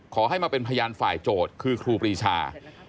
ขอให้มาเป็นพยานฝ่ายโจทย์คือครูปรีชา